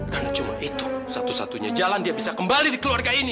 karena cuma itu satu satunya jalan dia bisa kembali di keluarga ini